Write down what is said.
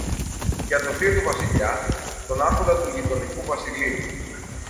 για το θείο του Βασιλιά, τον Άρχοντα του γειτονικού βασιλείου.